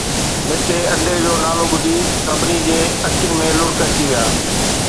مٺي انڊيءَ جو نالو ٻڌي سڀني جي اکين ۾ لڙڪ اچي ويا